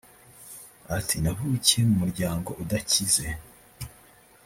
Ati “Navukiye mu muryango udakize